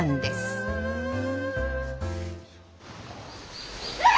うわ！